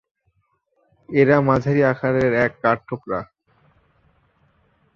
এরা মাঝারি আকারের এক কাঠঠোকরা।